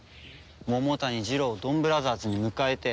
桃谷ジロウをドンブラザーズに迎えて。